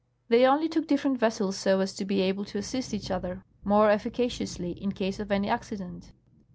They only took different vessels so as to be able to assist each other niore efficaciously in case of any accident.